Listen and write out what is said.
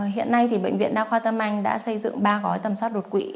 hiện nay bệnh viện đa khoa tâm anh đã xây dựng ba gói tầm soát đột quỵ